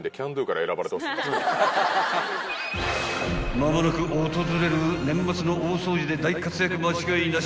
［間もなく訪れる年末の大掃除で大活躍間違いなし］